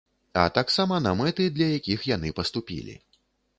А таксама на мэты, для якіх яны паступілі.